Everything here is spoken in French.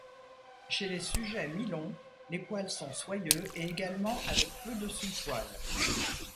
Chez les sujets mi-longs, les poils sont soyeux et également avec peu de sous-poil.